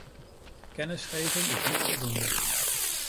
Kennisgeving is niet voldoende.